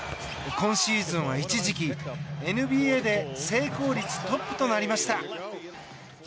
今シーズンは一時期、ＮＢＡで成功率トップとなりました。